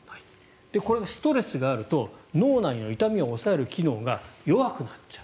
これがストレスがあると脳内の痛みを抑える機能が弱くなっちゃう。